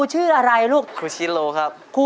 ขอเชิญน้องเทิดมาต่อชีวิตเป็นคนต่อไปครับ